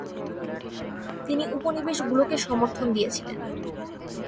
তিনি উপনিবেশগুলোকে সমর্থন দিয়েছিলেন।